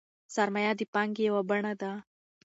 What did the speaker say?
سرمایه د پانګې یوه بڼه ده.